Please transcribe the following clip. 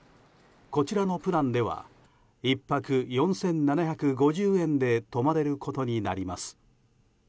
こちらのプランでは１泊４７５０円で泊まれることになります。